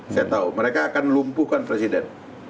saya tahu mereka akan lumpuhkan presiden